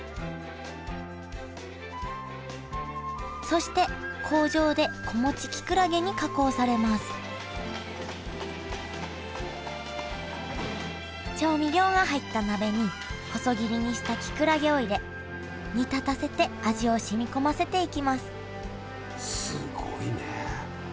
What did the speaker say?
そして工場で子持ちきくらげに加工されます調味料が入った鍋に細切りにしたきくらげを入れ煮立たせて味をしみこませていきますすごいねえ。